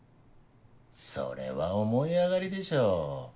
それは思い上がりでしょ。